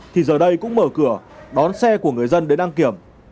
thì giờ đây cũng mở cửa đón xe của người dân đến đăng kiểm